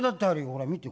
ほら見て。